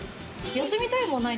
休みたいもない。